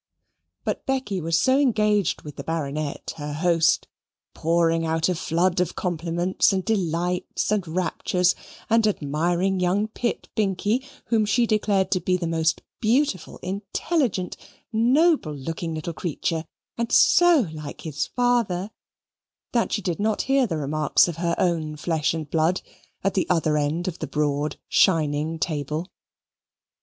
But Becky was so engaged with the Baronet, her host, pouring out a flood of compliments and delights and raptures, and admiring young Pitt Binkie, whom she declared to be the most beautiful, intelligent, noble looking little creature, and so like his father, that she did not hear the remarks of her own flesh and blood at the other end of the broad shining table.